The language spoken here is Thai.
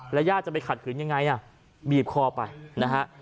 แล้วย่าจะไปขัดขืนยังไงอ่ะบีบคอไปนะฮะ